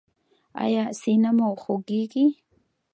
ایا سینه مو خوږیږي؟